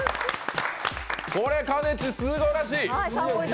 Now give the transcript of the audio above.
これ、かねち、すばらしい！